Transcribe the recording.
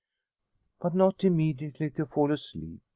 But not immediately to fall asleep.